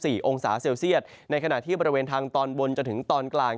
องศาเซลเซียตในขณะที่บริเวณทางตอนบนจนถึงตอนกลาง